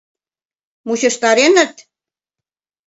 — Мучыштареныт!